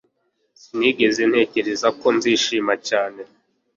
Sinigeze ntekereza ko nzishima cyane